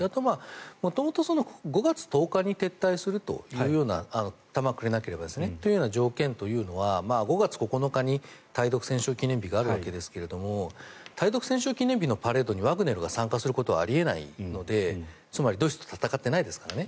元々５月１０日に撤退するというような弾をくれなければですね。という条件というのは５月９日に対独戦勝記念日があるわけですが対独戦勝記念日のパレードにワグネルが参加することはあり得ないのでつまり、ドイツと戦ってないですからね。